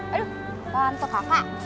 aduh tante kakak